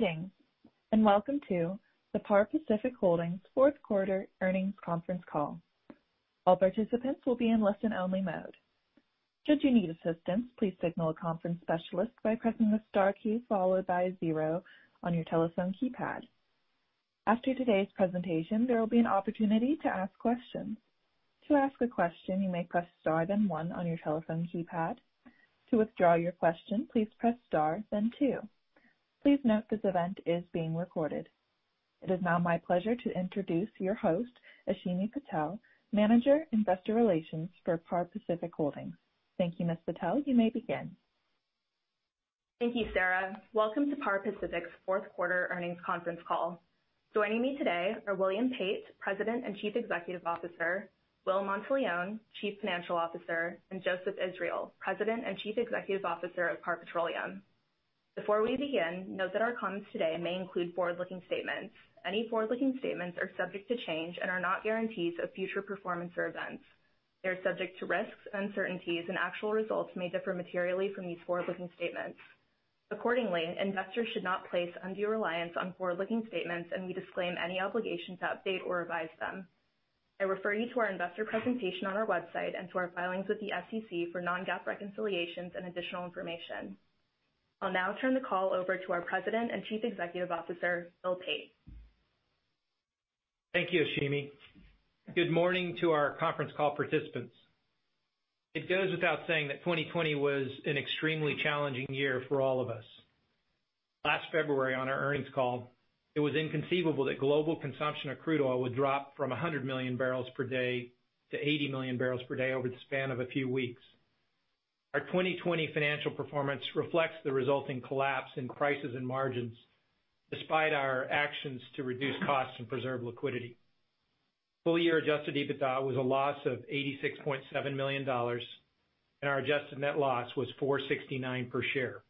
Greetings and welcome to the Par Pacific Holdings Fourth Quarter Earnings Conference Call. All participants will be in listen-only mode. Should you need assistance, please signal a conference specialist by pressing the star key followed by zero on your telephone keypad. After today's presentation, there will be an opportunity to ask questions. To ask a question, you may press star then one on your telephone keypad. To withdraw your question, please press star then two. Please note this event is being recorded. It is now my pleasure to introduce your host, Ashimi Patel, Manager, Investor Relations for Par Pacific Holdings. Thank you, Ms. Patel. You may begin. Thank you, Sarah. Welcome to Par Pacific's Fourth Quarter Earnings Conference Call. Joining me today are William Pate, President and Chief Executive Officer; Will Monteleone, Chief Financial Officer; and Joseph Israel, President and Chief Executive Officer of Par Petroleum. Before we begin, note that our comments today may include forward-looking statements. Any forward-looking statements are subject to change and are not guarantees of future performance or events. They are subject to risks, uncertainties, and actual results may differ materially from these forward-looking statements. Accordingly, investors should not place undue reliance on forward-looking statements, and we disclaim any obligation to update or revise them. I refer you to our investor presentation on our website and to our filings with the SEC for non-GAAP reconciliations and additional information. I'll now turn the call over to our President and Chief Executive Officer, Bill Pate. Thank you, Ashimi. Good morning to our conference call participants. It goes without saying that 2020 was an extremely challenging year for all of us. Last February, on our earnings call, it was inconceivable that global consumption of crude oil would drop from 100 million barrels per day to 80 million barrels per day over the span of a few weeks. Our 2020 financial performance reflects the resulting collapse in prices and margins despite our actions to reduce costs and preserve liquidity. Full-year adjusted EBITDA was a loss of $86.7 million, and our adjusted net loss was $469 per share.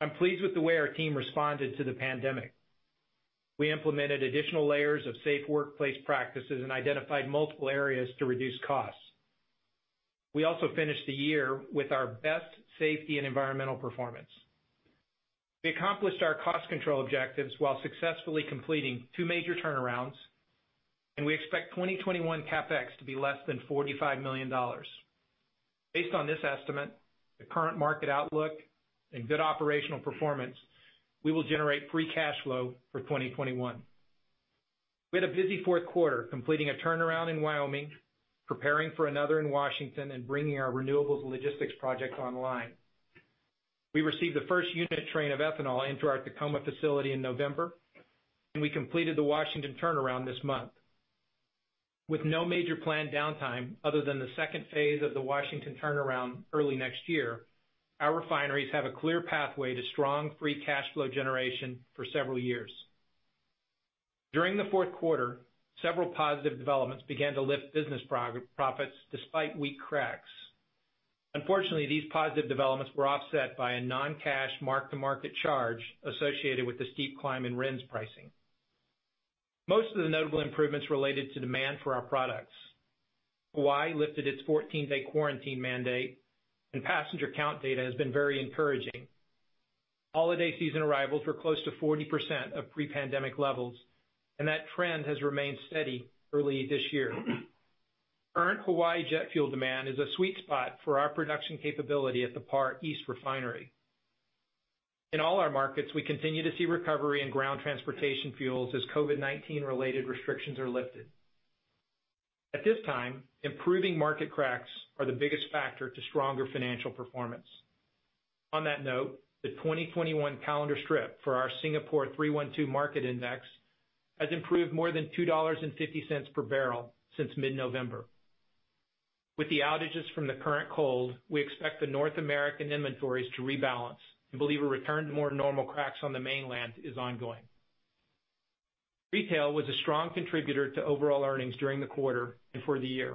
I'm pleased with the way our team responded to the pandemic. We implemented additional layers of safe workplace practices and identified multiple areas to reduce costs. We also finished the year with our best safety and environmental performance. We accomplished our cost control objectives while successfully completing two major turnarounds, and we expect 2021 CapEx to be less than $45 million. Based on this estimate, the current market outlook, and good operational performance, we will generate free cash flow for 2021. We had a busy fourth quarter completing a turnaround in Wyoming, preparing for another in Washington, and bringing our renewables and logistics project online. We received the first unit train of ethanol into our Tacoma facility in November, and we completed the Washington turnaround this month. With no major planned downtime other than the second phase of the Washington turnaround early next year, our refineries have a clear pathway to strong free cash flow generation for several years. During the fourth quarter, several positive developments began to lift business profits despite weak cracks. Unfortunately, these positive developments were offset by a non-cash mark-to-market charge associated with the steep climb in RINs pricing. Most of the notable improvements related to demand for our products: Hawaii lifted its 14-day quarantine mandate, and passenger count data has been very encouraging. Holiday season arrivals were close to 40% of pre-pandemic levels, and that trend has remained steady early this year. Current Hawaii jet fuel demand is a sweet spot for our production capability at the Par East refinery. In all our markets, we continue to see recovery in ground transportation fuels as COVID-19-related restrictions are lifted. At this time, improving market cracks are the biggest factor to stronger financial performance. On that note, the 2021 calendar strip for our Singapore 312 market index has improved more than $2.50 per barrel since mid-November. With the outages from the current cold, we expect the North American inventories to rebalance, and believe a return to more normal cracks on the mainland is ongoing. Retail was a strong contributor to overall earnings during the quarter and for the year.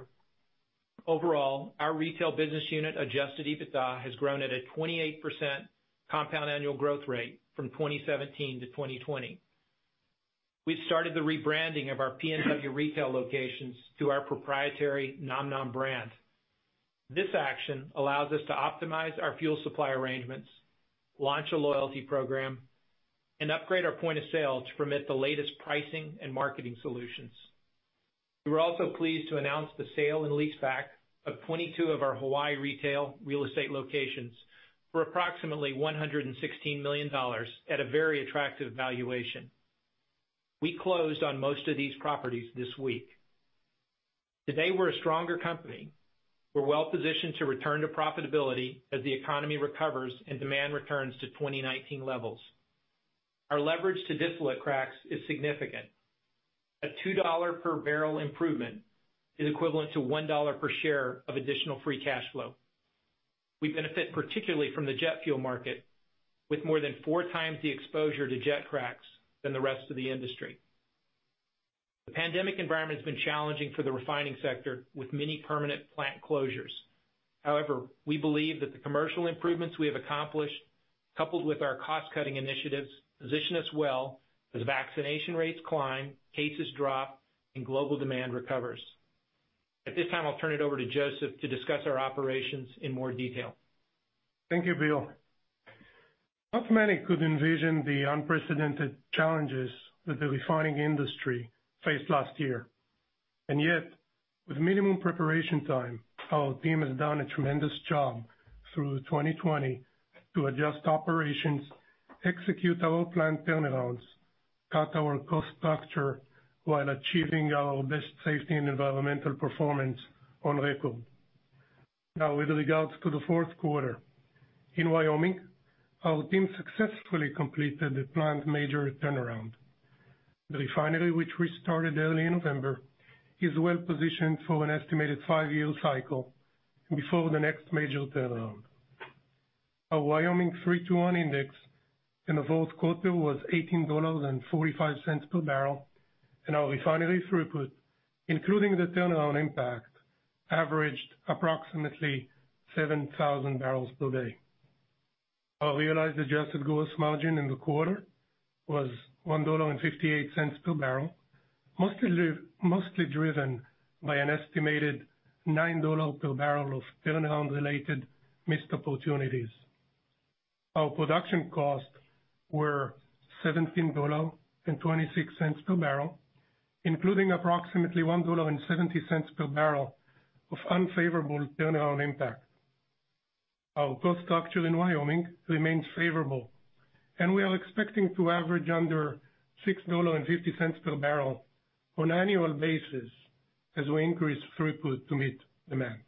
Overall, our retail business unit adjusted EBITDA has grown at a 28% compound annual growth rate from 2017 to 2020. We've started the rebranding of our PNW retail locations to our proprietary nomnom brand. This action allows us to optimize our fuel supply arrangements, launch a loyalty program, and upgrade our point of sale to permit the latest pricing and marketing solutions. We were also pleased to announce the sale and leaseback of 22 of our Hawaii retail real estate locations for approximately $116 million at a very attractive valuation. We closed on most of these properties this week. Today, we're a stronger company. We're well-positioned to return to profitability as the economy recovers and demand returns to 2019 levels. Our leverage to distillate cracks is significant. A $2 per barrel improvement is equivalent to $1 per share of additional free cash flow. We benefit particularly from the jet fuel market, with more than four times the exposure to jet cracks than the rest of the industry. The pandemic environment has been challenging for the refining sector, with many permanent plant closures. However, we believe that the commercial improvements we have accomplished, coupled with our cost-cutting initiatives, position us well as vaccination rates climb, cases drop, and global demand recovers. At this time, I'll turn it over to Joseph to discuss our operations in more detail. Thank you, Bill. Not many could envision the unprecedented challenges that the refining industry faced last year. Yet, with minimum preparation time, our team has done a tremendous job through 2020 to adjust operations, execute our plant turnarounds, cut our cost structure while achieving our best safety and environmental performance on record. Now, with regards to the fourth quarter, in Wyoming, our team successfully completed the plant major turnaround. The refinery, which we started early in November, is well-positioned for an estimated five-year cycle before the next major turnaround. Our Wyoming 321 index in the fourth quarter was $18.45 per barrel, and our refinery throughput, including the turnaround impact, averaged approximately 7,000 barrels per day. Our realized adjusted gross margin in the quarter was $1.58 per barrel, mostly driven by an estimated $9 per barrel of turnaround-related missed opportunities. Our production costs were $17.26 per barrel, including approximately $1.70 per barrel of unfavorable turnaround impact. Our cost structure in Wyoming remains favorable, and we are expecting to average under $6.50 per barrel on an annual basis as we increase throughput to meet demand.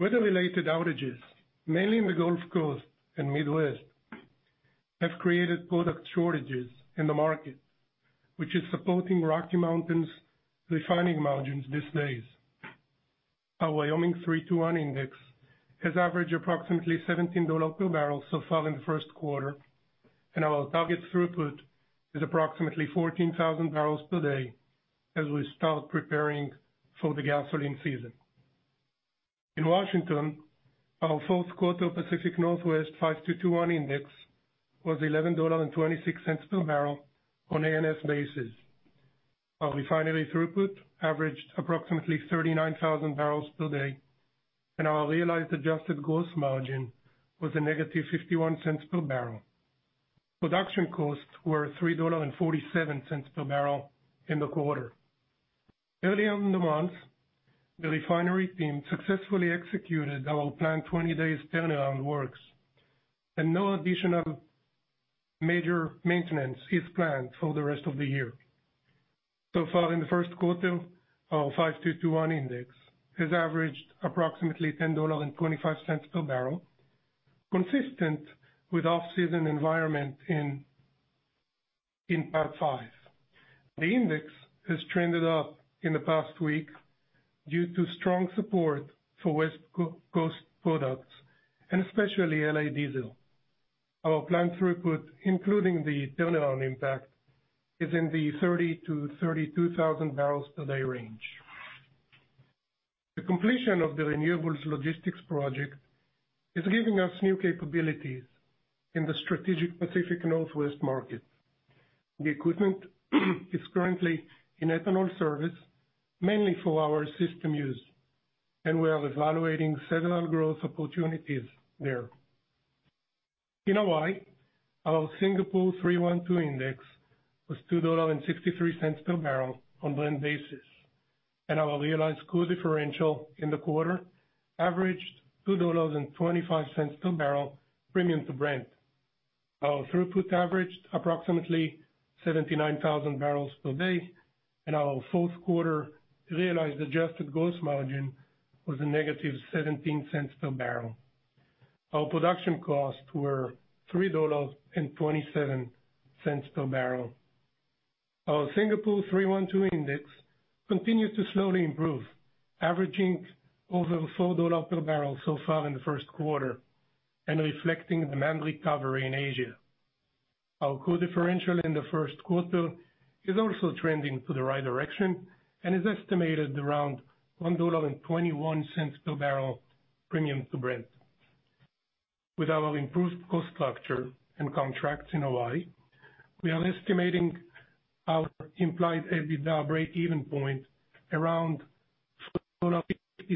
Weather-related outages, mainly in the Gulf Coast and Midwest, have created product shortages in the market, which is supporting Rocky Mountain's refining margins these days. Our Wyoming 321 index has averaged approximately $17 per barrel so far in the first quarter, and our target throughput is approximately 14,000 barrels per day as we start preparing for the gasoline season. In Washington, our fourth quarter Pacific Northwest 5221 index was $11.26 per barrel on an A&S basis. Our refinery throughput averaged approximately 39,000 barrels per day, and our realized adjusted gross margin was a negative $0.51 per barrel. Production costs were $3.47 per barrel in the quarter. Early on in the month, the refinery team successfully executed our planned 20-day turnaround works, and no additional major maintenance is planned for the rest of the year. So far, in the first quarter, our 5221 index has averaged approximately $10.25 per barrel, consistent with the off-season environment in Par Pacific. The index has trended up in the past week due to strong support for West Coast products, and especially LA Diesel. Our planned throughput, including the turnaround impact, is in the 30,000 barrels-32,000 barrels per day range. The completion of the Renewables Logistics Project is giving us new capabilities in the strategic Pacific Northwest market. The equipment is currently in ethanol service, mainly for our system use, and we are evaluating several growth opportunities there. In Hawaii, our Singapore 312 index was $2.63 per barrel on a Brent basis, and our realized core differential in the quarter averaged $2.25 per barrel premium to Brent. Our throughput averaged approximately 79,000 barrels per day, and our fourth quarter realized adjusted gross margin was a negative $0.17 per barrel. Our production costs were $3.27 per barrel. Our Singapore 312 index continues to slowly improve, averaging over $4 per barrel so far in the first quarter and reflecting demand recovery in Asia. Our core differential in the first quarter is also trending to the right direction and is estimated around $1.21 per barrel premium to Brent. With our improved cost structure and contracts in Hawaii, we are estimating our implied EBITDA break-even point around $3.80 per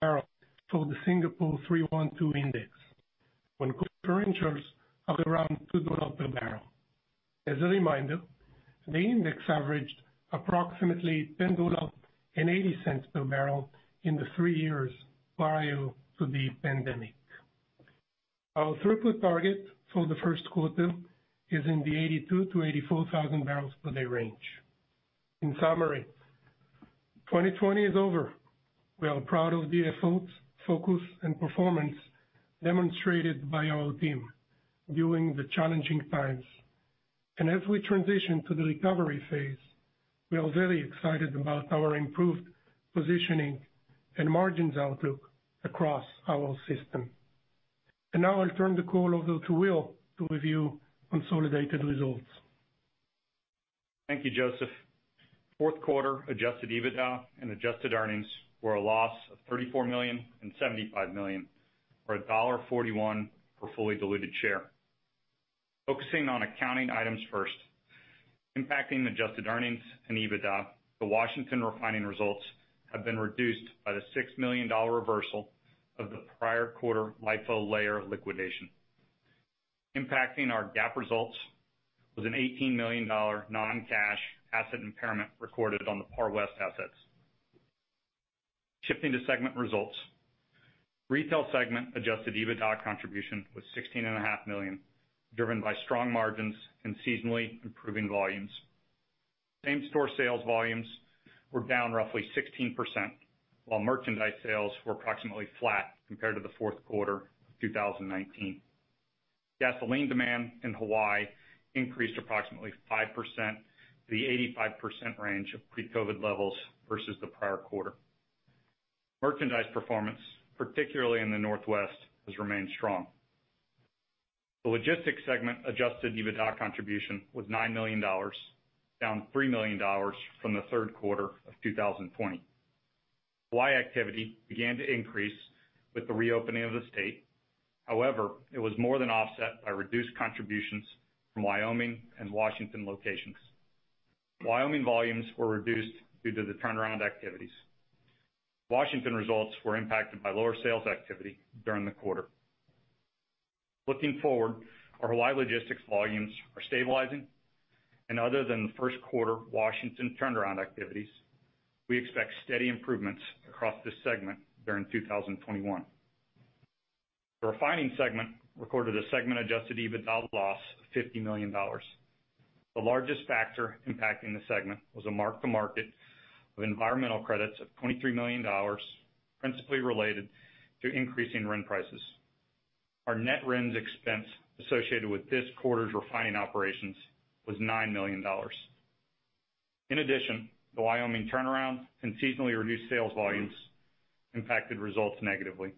barrel for the Singapore 312 index, when core differentials are around $2 per barrel. As a reminder, the index averaged approximately $10.80 per barrel in the three years prior to the pandemic. Our throughput target for the first quarter is in the 82,000 barrels-84,000 barrels per day range. In summary, 2020 is over. We are proud of the efforts, focus, and performance demonstrated by our team during the challenging times. As we transition to the recovery phase, we are very excited about our improved positioning and margins outlook across our system. Now I'll turn the call over to Will to review consolidated results. Thank you, Joseph. Fourth quarter adjusted EBITDA and adjusted earnings were a loss of $34 million and $75 million, or $1.41 per fully diluted share. Focusing on accounting items first, impacting adjusted earnings and EBITDA, the Washington refining results have been reduced by the $6 million reversal of the prior quarter LIFO layer liquidation. Impacting our GAAP results was an $18 million non-cash asset impairment recorded on the Par West assets. Shifting to segment results, retail segment adjusted EBITDA contribution was $16.5 million, driven by strong margins and seasonally improving volumes. Same-store sales volumes were down roughly 16%, while merchandise sales were approximately flat compared to the fourth quarter of 2019. Gasoline demand in Hawaii increased approximately 5%-85% range of pre-COVID levels versus the prior quarter. Merchandise performance, particularly in the Northwest, has remained strong. The logistics segment adjusted EBITDA contribution was $9 million, down $3 million from the third quarter of 2020. Hawaii activity began to increase with the reopening of the state. However, it was more than offset by reduced contributions from Wyoming and Washington locations. Wyoming volumes were reduced due to the turnaround activities. Washington results were impacted by lower sales activity during the quarter. Looking forward, our Hawaii logistics volumes are stabilizing, and other than the first quarter Washington turnaround activities, we expect steady improvements across this segment during 2021. The refining segment recorded a segment-adjusted EBITDA loss of $50 million. The largest factor impacting the segment was a mark-to-market of environmental credits of $23 million, principally related to increasing RIN prices. Our net RINs expense associated with this quarter's refining operations was $9 million. In addition, the Wyoming turnaround and seasonally reduced sales volumes impacted results negatively.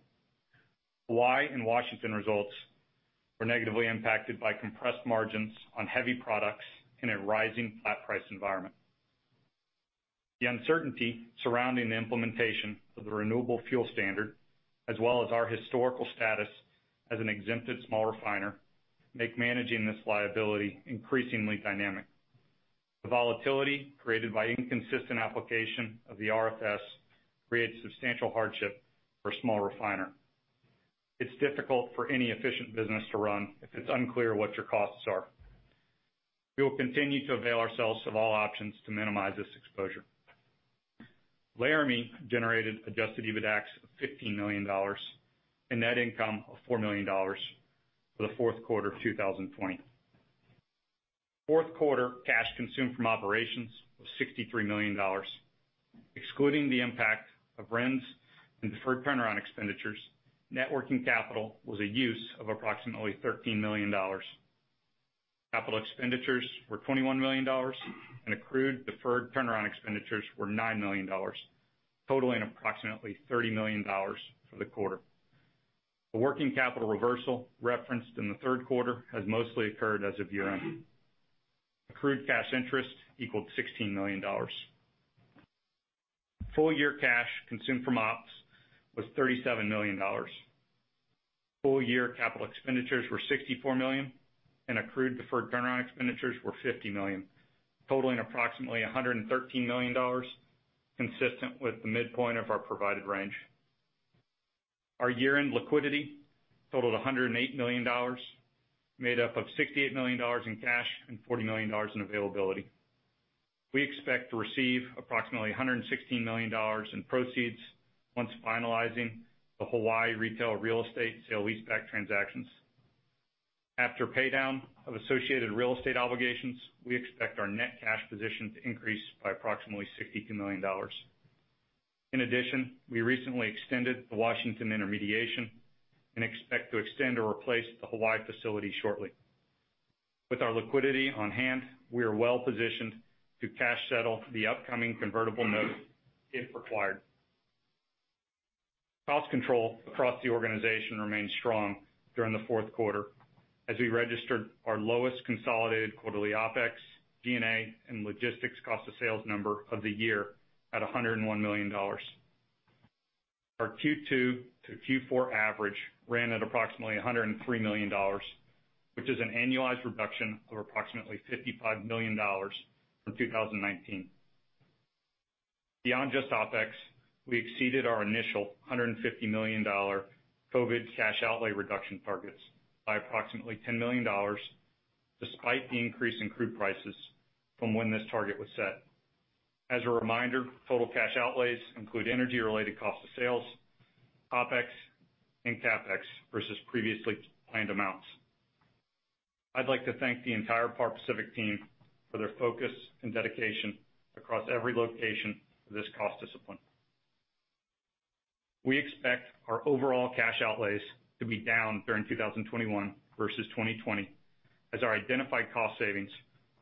Hawaii and Washington results were negatively impacted by compressed margins on heavy products in a rising flat price environment. The uncertainty surrounding the implementation of the renewable fuel standard, as well as our historical status as an exempted small refiner, makes managing this liability increasingly dynamic. The volatility created by inconsistent application of the RFS creates substantial hardship for a small refiner. It's difficult for any efficient business to run if it's unclear what your costs are. We will continue to avail ourselves of all options to minimize this exposure. Laramie generated adjusted EBITDA of $15 million and net income of $4 million for the fourth quarter of 2020. Fourth quarter cash consumed from operations was $63 million. Excluding the impact of RINs and deferred turnaround expenditures, networking capital was a use of approximately $13 million. Capital expenditures were $21 million, and accrued deferred turnaround expenditures were $9 million, totaling approximately $30 million for the quarter. The working capital reversal referenced in the third quarter has mostly occurred as of year-end. Accrued cash interest equaled $16 million. Full-year cash consumed from ops was $37 million. Full-year capital expenditures were $64 million, and accrued deferred turnaround expenditures were $50 million, totaling approximately $113 million, consistent with the midpoint of our provided range. Our year-end liquidity totaled $108 million, made up of $68 million in cash and $40 million in availability. We expect to receive approximately $116 million in proceeds once finalizing the Hawaii retail real estate sale leaseback transactions. After paydown of associated real estate obligations, we expect our net cash position to increase by approximately $62 million. In addition, we recently extended the Washington intermediation and expect to extend or replace the Hawaii facility shortly. With our liquidity on hand, we are well-positioned to cash settle the upcoming convertible note if required. Cost control across the organization remained strong during the fourth quarter as we registered our lowest consolidated quarterly OpEx, G&A, and logistics cost-of-sales number of the year at $101 million. Our Q2-Q4 average ran at approximately $103 million, which is an annualized reduction of approximately $55 million from 2019. Beyond just OpEx, we exceeded our initial $150 million COVID cash outlay reduction targets by approximately $10 million despite the increase in crude prices from when this target was set. As a reminder, total cash outlays include energy-related cost-of-sales, OpEx, and CapEx versus previously planned amounts. I'd like to thank the entire Par Pacific team for their focus and dedication across every location of this cost discipline. We expect our overall cash outlays to be down during 2021 versus 2020 as our identified cost savings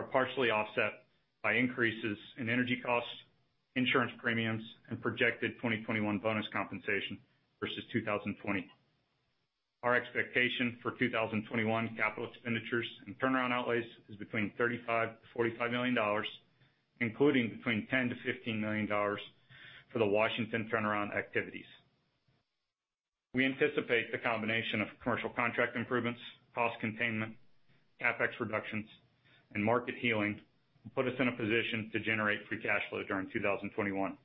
are partially offset by increases in energy costs, insurance premiums, and projected 2021 bonus compensation versus 2020. Our expectation for 2021 capital expenditures and turnaround outlays is between $35 million-$45 million, including between $10 million-$15 million for the Washington turnaround activities. We anticipate the combination of commercial contract improvements, cost containment, CapEx reductions, and market healing will put us in a position to generate free cash flow during 2021.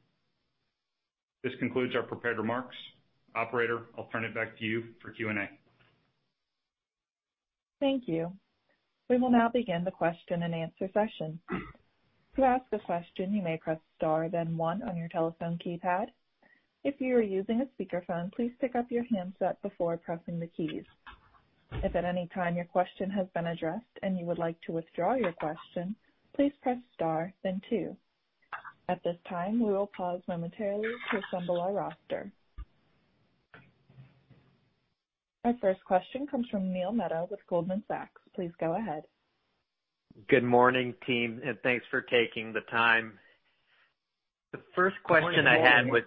This concludes our prepared remarks. Operator, I'll turn it back to you for Q&A. Thank you. We will now begin the question and answer session. To ask a question, you may press star then one on your telephone keypad. If you are using a speakerphone, please pick up your handset before pressing the keys. If at any time your question has been addressed and you would like to withdraw your question, please press star then two. At this time, we will pause momentarily to assemble our roster. Our first question comes from Neil Mehta with Goldman Sachs. Please go ahead. Good morning, team, and thanks for taking the time. The first question I had was. Good morning, Bill.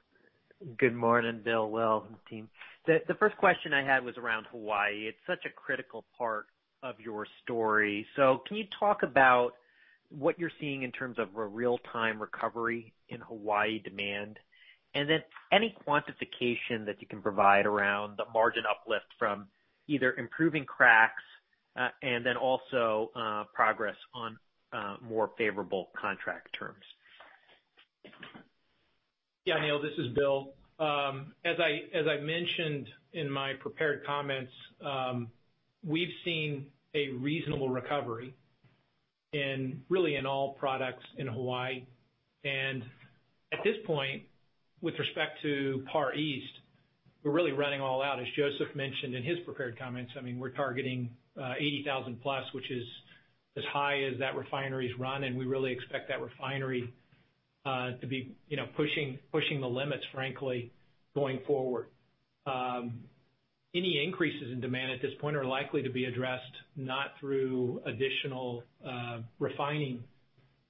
Good morning, Bill, Will, and team. The first question I had was around Hawaii. It's such a critical part of your story. Can you talk about what you're seeing in terms of real-time recovery in Hawaii demand and then any quantification that you can provide around the margin uplift from either improving cracks and also progress on more favorable contract terms? Yeah, Neil, this is Bill. As I mentioned in my prepared comments, we've seen a reasonable recovery in really all products in Hawaii. At this point, with respect to Par East, we're really running all out. As Joseph mentioned in his prepared comments, I mean, we're targeting 80,000 plus, which is as high as that refinery's run. We really expect that refinery to be pushing the limits, frankly, going forward. Any increases in demand at this point are likely to be addressed not through additional refining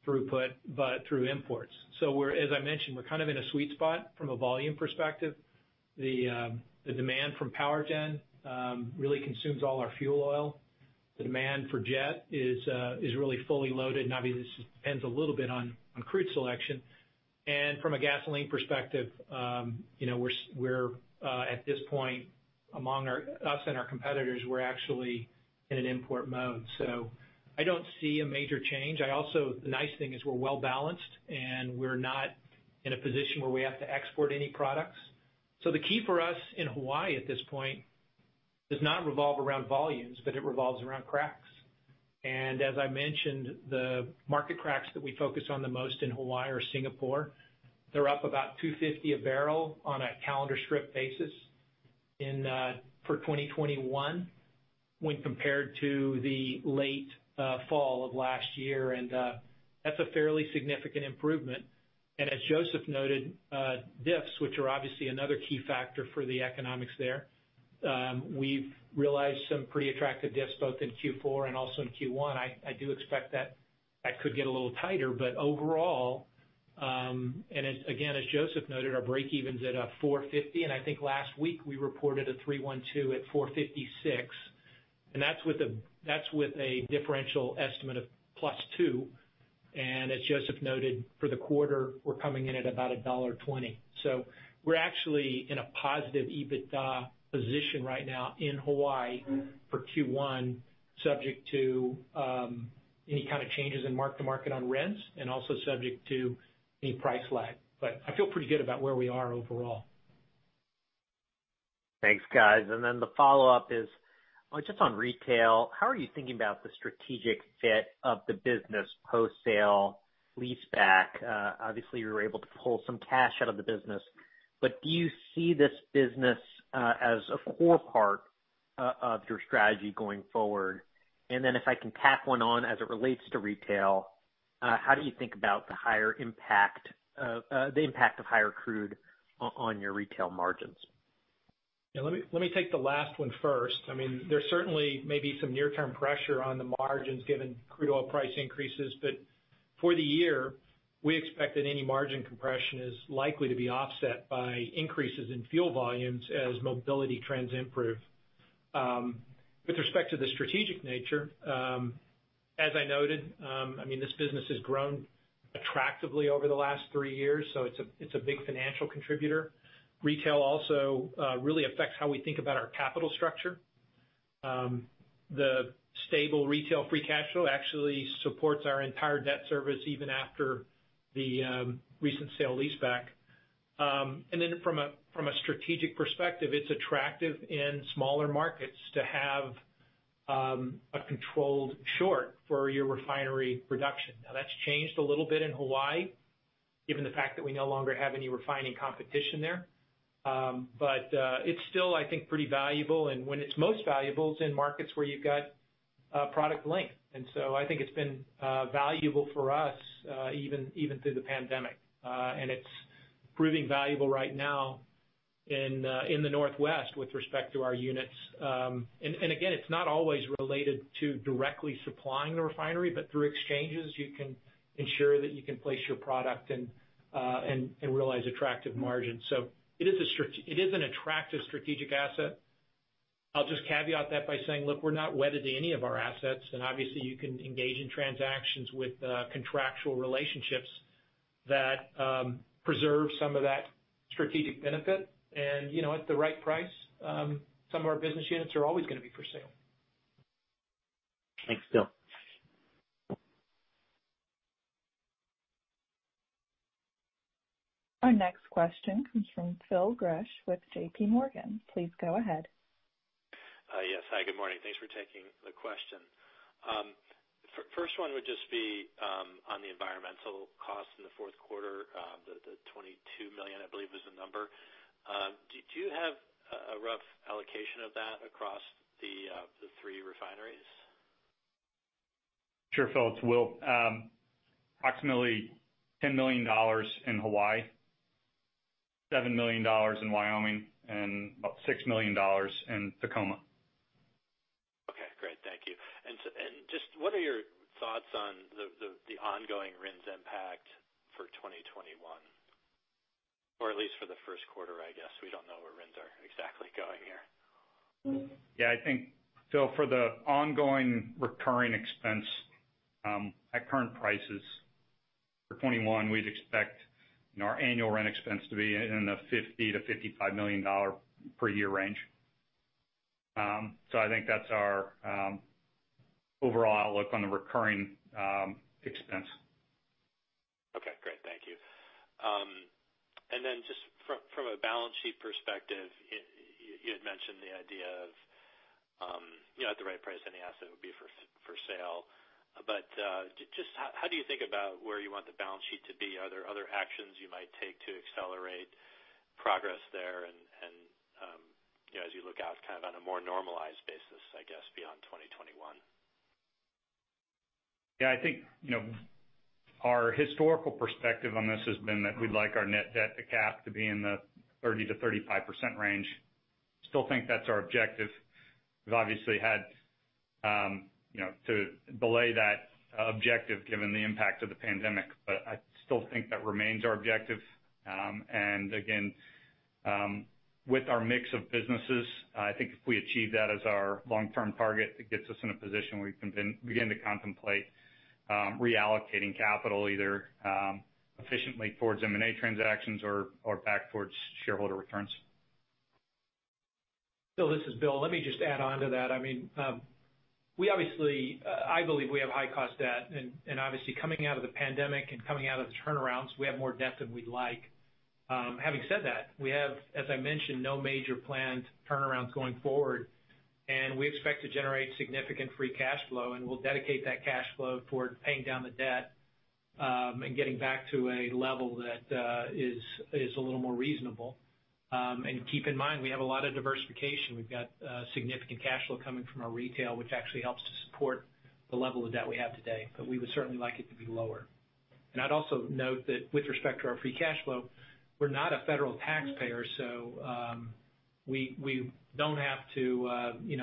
throughput, but through imports. As I mentioned, we're kind of in a sweet spot from a volume perspective. The demand from PowerGen really consumes all our fuel oil. The demand for jet is really fully loaded. Obviously, this depends a little bit on crude selection. From a gasoline perspective, we're at this point among us and our competitors, we're actually in an import mode. I don't see a major change. Also, the nice thing is we're well-balanced, and we're not in a position where we have to export any products. The key for us in Hawaii at this point does not revolve around volumes, but it revolves around cracks. As I mentioned, the market cracks that we focus on the most in Hawaii are Singapore, they're up about $2.50 a barrel on a calendar strip basis for 2021 when compared to the late fall of last year. That's a fairly significant improvement. As Joseph noted, diffs, which are obviously another key factor for the economics there, we've realized some pretty attractive diffs both in Q4 and also in Q1. I do expect that that could get a little tighter. Overall, as Joseph noted, our break-evens are at $4.50. I think last week we reported a 312 at $4.56, and that's with a differential estimate of plus two. As Joseph noted, for the quarter, we're coming in at about $1.20. We're actually in a positive EBITDA position right now in Hawaii for Q1, subject to any kind of changes in mark-to-market on RINs and also subject to any price lag. I feel pretty good about where we are overall. Thanks, guys. The follow-up is just on retail. How are you thinking about the strategic fit of the business post-sale leaseback? Obviously, you were able to pull some cash out of the business. Do you see this business as a core part of your strategy going forward? If I can tack one on as it relates to retail, how do you think about the impact of higher crude on your retail margins? Yeah, let me take the last one first. I mean, there certainly may be some near-term pressure on the margins given crude oil price increases. For the year, we expect that any margin compression is likely to be offset by increases in fuel volumes as mobility trends improve. With respect to the strategic nature, as I noted, I mean, this business has grown attractively over the last three years. It is a big financial contributor. Retail also really affects how we think about our capital structure. The stable retail free cash flow actually supports our entire debt service even after the recent sale leaseback. From a strategic perspective, it is attractive in smaller markets to have a controlled short for your refinery production. That has changed a little bit in Hawaii given the fact that we no longer have any refining competition there. It is still, I think, pretty valuable. When it is most valuable, it is in markets where you have got product length. I think it has been valuable for us even through the pandemic. It is proving valuable right now in the Northwest with respect to our units. Again, it is not always related to directly supplying the refinery, but through exchanges, you can ensure that you can place your product and realize attractive margins. It is an attractive strategic asset. I will just caveat that by saying, look, we are not wedded to any of our assets. Obviously, you can engage in transactions with contractual relationships that preserve some of that strategic benefit. At the right price, some of our business units are always going to be for sale. Thanks, Bill. Our next question comes from Phil Grush with JP Morgan. Please go ahead. Yes. Hi, good morning. Thanks for taking the question. First one would just be on the environmental costs in the fourth quarter, the $22 million, I believe, was the number. Do you have a rough allocation of that across the three refineries? Sure, Phil. It's Will. Approximately $10 million in Hawaii, $7 million in Wyoming, and about $6 million in Tacoma. Okay. Great. Thank you. What are your thoughts on the ongoing RINs impact for 2021, or at least for the first quarter, I guess? We do not know where RINs are exactly going here. Yeah, I think, Phil, for the ongoing recurring expense at current prices for 2021, we'd expect our annual RIN expense to be in the $50 million-$55 million per year range. I think that's our overall outlook on the recurring expense. Okay. Great. Thank you. Just from a balance sheet perspective, you had mentioned the idea of at the right price, any asset would be for sale. How do you think about where you want the balance sheet to be? Are there other actions you might take to accelerate progress there as you look out kind of on a more normalized basis, I guess, beyond 2021? Yeah, I think our historical perspective on this has been that we'd like our net debt to cap to be in the 30%-35% range. I still think that's our objective. We've obviously had to delay that objective given the impact of the pandemic. I still think that remains our objective. Again, with our mix of businesses, I think if we achieve that as our long-term target, it gets us in a position where we can begin to contemplate reallocating capital either efficiently towards M&A transactions or back towards shareholder returns. Phil, this is Bill. Let me just add on to that. I mean, we obviously believe we have high-cost debt. Obviously, coming out of the pandemic and coming out of the turnarounds, we have more debt than we'd like. Having said that, we have, as I mentioned, no major planned turnarounds going forward. We expect to generate significant free cash flow. We'll dedicate that cash flow toward paying down the debt and getting back to a level that is a little more reasonable. Keep in mind, we have a lot of diversification. We've got significant cash flow coming from our retail, which actually helps to support the level of debt we have today. We would certainly like it to be lower. I'd also note that with respect to our free cash flow, we're not a federal taxpayer. We don't have to,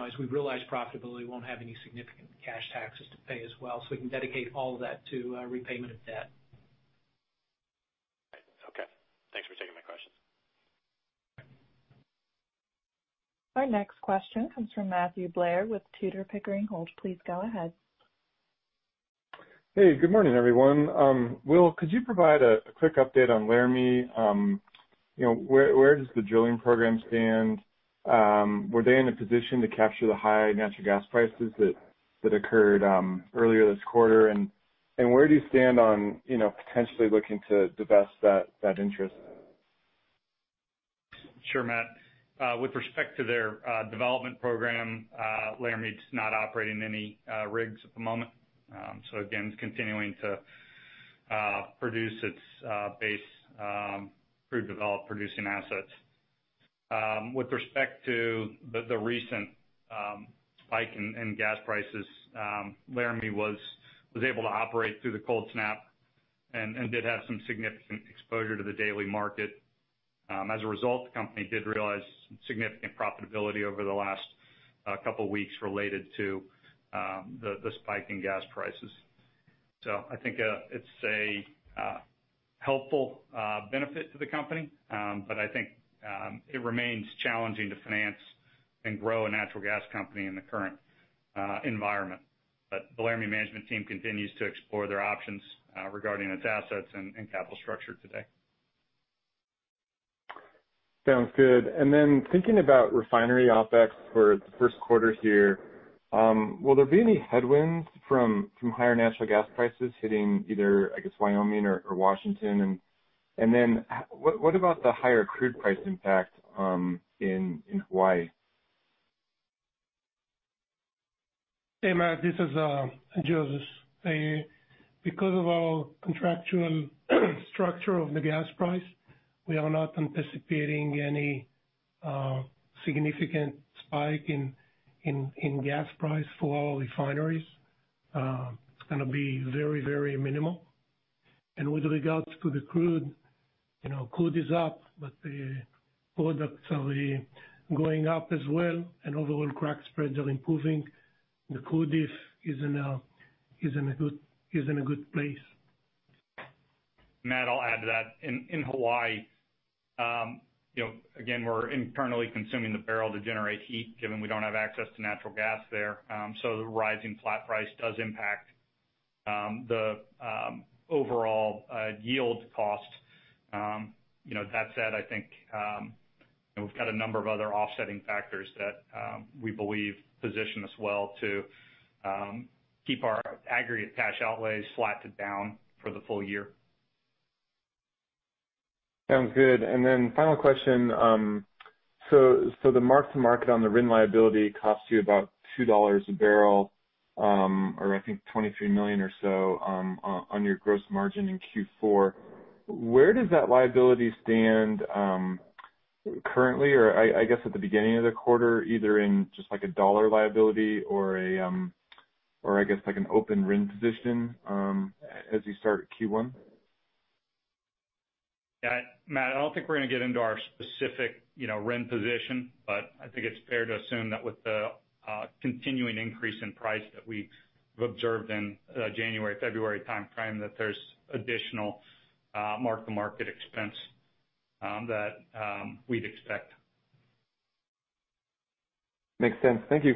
as we've realized profitably, won't have any significant cash taxes to pay as well. We can dedicate all of that to repayment of debt. Right. Okay. Thanks for taking my questions. Our next question comes from Matthew Blair with Tudor Pickering Holt. Please go ahead. Hey, good morning, everyone. Will, could you provide a quick update on Laramie? Where does the drilling program stand? Were they in a position to capture the high natural gas prices that occurred earlier this quarter? Where do you stand on potentially looking to divest that interest? Sure, Matt. With respect to their development program, Laramie's not operating any rigs at the moment. Again, it's continuing to produce its base crude developed producing assets. With respect to the recent spike in gas prices, Laramie was able to operate through the cold snap and did have some significant exposure to the daily market. As a result, the company did realize significant profitability over the last couple of weeks related to the spike in gas prices. I think it's a helpful benefit to the company. I think it remains challenging to finance and grow a natural gas company in the current environment. The Laramie management team continues to explore their options regarding its assets and capital structure today. Sounds good. Thinking about refinery OpEx for the first quarter here, will there be any headwinds from higher natural gas prices hitting either, I guess, Wyoming or Washington? What about the higher crude price impact in Hawaii? Hey, Matt. This is Joseph. Because of our contractual structure of the gas price, we are not anticipating any significant spike in gas price for our refineries. It's going to be very, very minimal. With regards to the crude, crude is up, but the products are going up as well. Overall, crack spreads are improving. The crude is in a good place. Matt, I'll add to that. In Hawaii, again, we're internally consuming the barrel to generate heat given we don't have access to natural gas there. The rising flat price does impact the overall yield cost. That said, I think we've got a number of other offsetting factors that we believe position us well to keep our aggregate cash outlays flat to down for the full year. Sounds good. Final question. The mark-to-market on the RIN liability costs you about $2 a barrel or, I think, $23 million or so on your gross margin in Q4. Where does that liability stand currently or, I guess, at the beginning of the quarter, either in just a dollar liability or, I guess, an open RIN position as you start Q1? Matt, I do not think we are going to get into our specific RIN position. I think it is fair to assume that with the continuing increase in price that we have observed in the January-February timeframe, there is additional mark-to-market expense that we would expect. Makes sense. Thank you.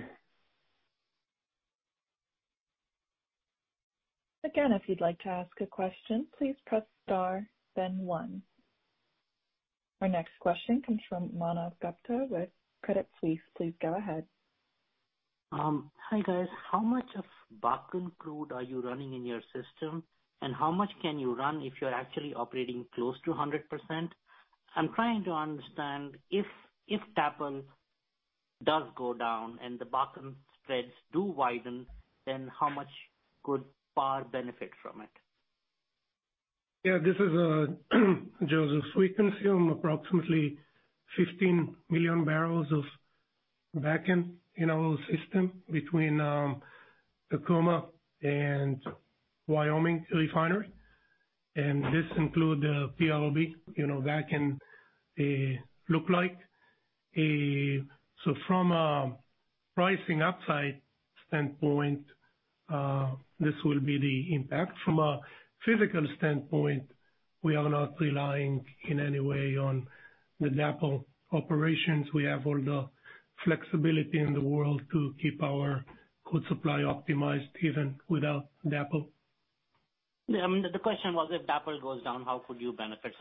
Again, if you'd like to ask a question, please press star, then one. Our next question comes from Manav Gupta with Credit Suisse. Please go ahead. Hi guys. How much of Bakun crude are you running in your system? And how much can you run if you're actually operating close to 100%? I'm trying to understand if DAPL does go down and the Bakun spreads do widen, then how much could PAR benefit from it? Yeah, this is Joseph. We consume approximately 15 million barrels of Bakun in our system between Tacoma and Wyoming refinery. This includes the PROB Bakun. From a pricing upside standpoint, this will be the impact. From a physical standpoint, we are not relying in any way on the DAPL operations. We have all the flexibility in the world to keep our crude supply optimized even without DAPL. The question was, if DAPL goes down, how could you benefit?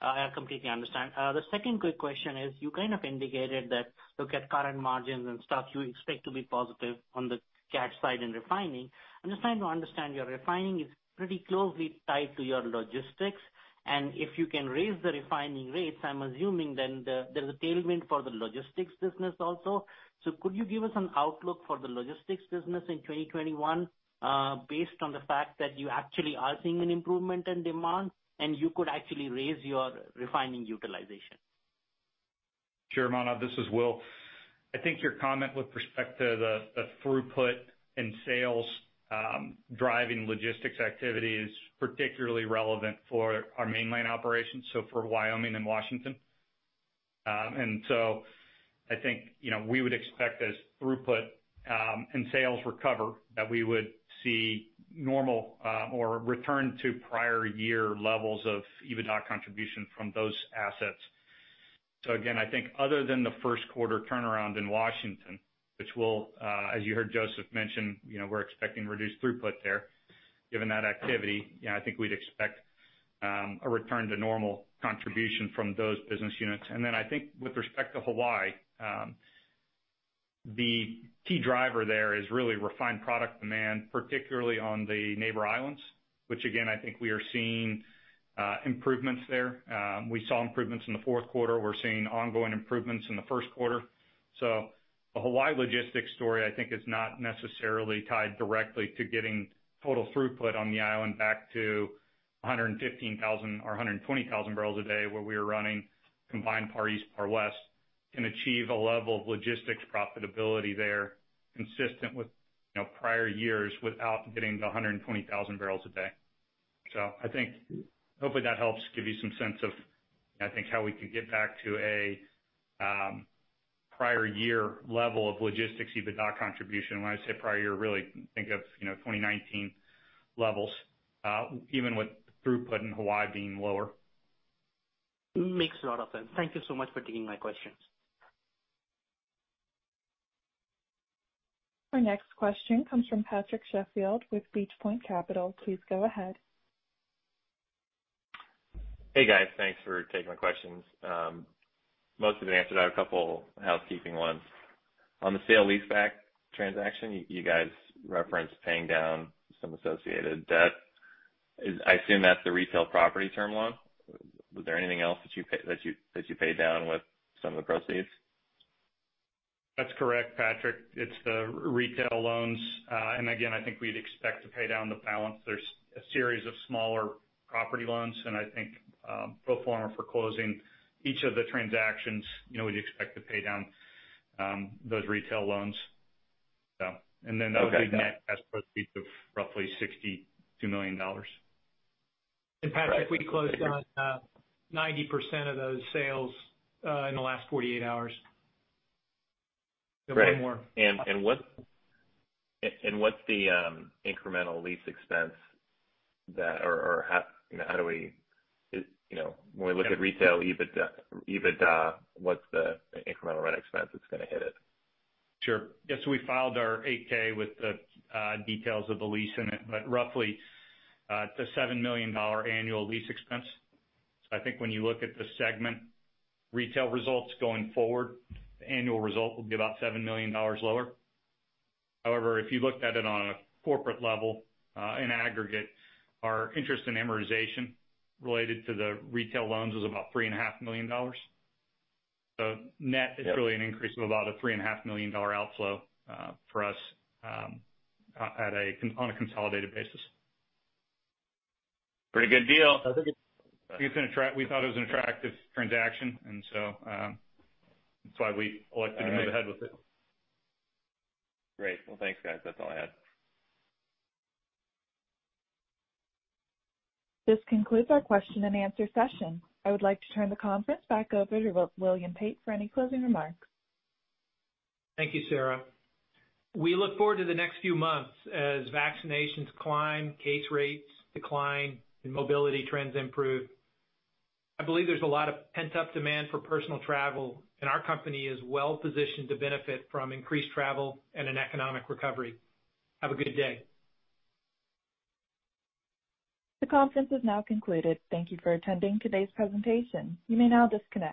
I completely understand. The second quick question is, you kind of indicated that look at current margins and stuff, you expect to be positive on the cash side in refining. I'm just trying to understand. Your refining is pretty closely tied to your logistics. If you can raise the refining rates, I'm assuming then there's a tailwind for the logistics business also. Could you give us an outlook for the logistics business in 2021 based on the fact that you actually are seeing an improvement in demand and you could actually raise your refining utilization? Sure, Manav. This is Will. I think your comment with respect to the throughput and sales driving logistics activity is particularly relevant for our mainline operations, so for Wyoming and Washington. I think we would expect as throughput and sales recover that we would see normal or return to prior year levels of EBITDA contribution from those assets. Again, I think other than the first quarter turnaround in Washington, which will, as you heard Joseph mention, we're expecting reduced throughput there given that activity. I think we'd expect a return to normal contribution from those business units. I think with respect to Hawaii, the key driver there is really refined product demand, particularly on the neighbor islands, which again, I think we are seeing improvements there. We saw improvements in the fourth quarter. We're seeing ongoing improvements in the first quarter. The Hawaii logistics story, I think, is not necessarily tied directly to getting total throughput on the island back to 115,000 or 120,000 barrels a day where we were running combined Par East, Par West, and achieve a level of logistics profitability there consistent with prior years without getting to 120,000 barrels a day. I think hopefully that helps give you some sense of, I think, how we could get back to a prior year level of logistics EBITDA contribution. When I say prior year, really think of 2019 levels, even with throughput in Hawaii being lower. Makes a lot of sense. Thank you so much for taking my questions. Our next question comes from Patrick Sheffield with Beach point Capital. Please go ahead. Hey, guys. Thanks for taking my questions. Most of it answered. I have a couple of housekeeping ones. On the sale lease-back transaction, you guys referenced paying down some associated debt. I assume that's the retail property term loan. Was there anything else that you paid down with some of the proceeds? That's correct, Patrick. It's the retail loans. Again, I think we'd expect to pay down the balance. There's a series of smaller property loans. I think pro forma for closing each of the transactions, we'd expect to pay down those retail loans. That would be net cash proceeds of roughly $62 million. Patrick, we closed on 90% of those sales in the last 48 hours. There was no more. What is the incremental lease expense that, or how do we, when we look at retail EBITDA, what is the incremental rent expense that is going to hit it? Sure. Yeah. We filed our 8-K with the details of the lease in it, but roughly it's a $7 million annual lease expense. I think when you look at the segment retail results going forward, the annual result will be about $7 million lower. However, if you looked at it on a corporate level in aggregate, our interest and amortization related to the retail loans was about $3.5 million. Net is really an increase of about a $3.5 million outflow for us on a consolidated basis. Pretty good deal. We thought it was an attractive transaction. That is why we elected to move ahead with it. Great. Thanks, guys. That's all I had. This concludes our question and answer session. I would like to turn the conference back over to William Pate for any closing remarks. Thank you, Sarah. We look forward to the next few months as vaccinations climb, case rates decline, and mobility trends improve. I believe there's a lot of pent-up demand for personal travel. Our company is well positioned to benefit from increased travel and an economic recovery. Have a good day. The conference is now concluded. Thank you for attending today's presentation. You may now disconnect.